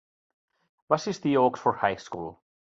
Va assistir a Oxford High School.